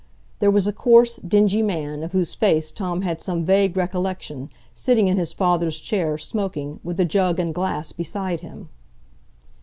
There was a coarse, dingy man, of whose face Tom had some vague recollection, sitting in his father's chair, smoking, with a jug and glass beside him.